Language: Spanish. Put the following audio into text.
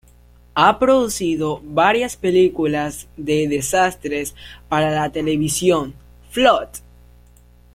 Ha producido varias películas de desastres para la televisión: "Flood!